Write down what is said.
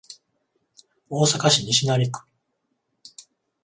大阪市西成区